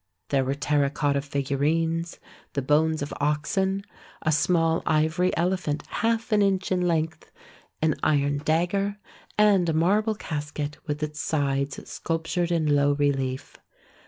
There were terra 150 THE SEVEN WONDERS cotta figurines, the bones of oxen, a small ivory elephant half an inch in length, an iron dagger, and a marble casket with its sides sculptured in low relief.